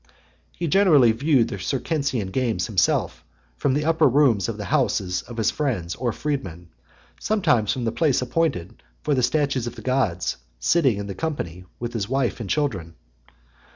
XLV. He generally viewed the Circensian games himself, from the upper rooms of the houses of his friends or freedmen; sometimes from the place appointed for the statues of the gods, and sitting in company with his wife and children.